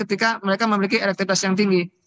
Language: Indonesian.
ketika mereka memiliki elektrivitas yang tinggi